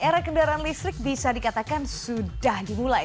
era kendaraan listrik bisa dikatakan sudah dimulai